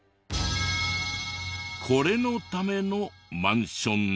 これのためのマンションなのです。